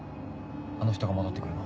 あの人が戻って来るの。